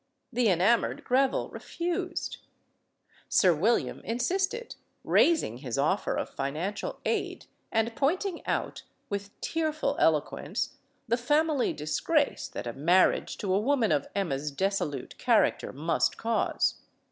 The enamored Greville refused. Sir W'lHam insisted, rais" LADY HAMILTON 259 ing his offer of financial aid, and pointing out, with tearful eloquence, the family disgrace that a mar riage to a woman of Emma's desolute character must cause.